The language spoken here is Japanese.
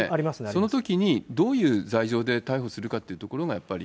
そのときにどういう罪状で逮捕するかというところがやっぱり？